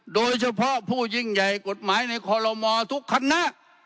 โดยเฉพาะผู้ยิ่งใหญ่กฎหมายในคอลโลมอทุกคณะ